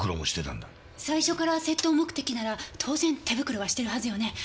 最初から窃盗目的なら当然手袋はしてるはずよね？